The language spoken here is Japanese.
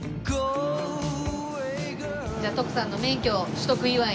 じゃあ徳さんの免許取得祝いに。